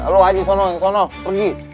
lo aja sana sana pergi